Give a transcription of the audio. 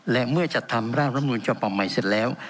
และเมื่อจัดทำรามนูลเฉพาะใหม่เสร็จแล้ว